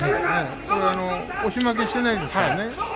押し負けしていないですからね。